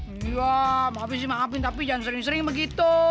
iya maafin sih maafin tapi jangan sering sering begitu